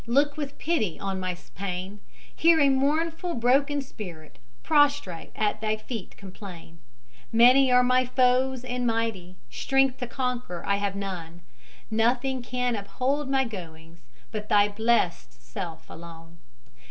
Look with pity on my pain: Hear a mournful, broken spirit Prostrate at Thy feet complain; Many are my foes, and mighty; Strength to conquer I have none; Nothing can uphold my goings But Thy blessed Self alone.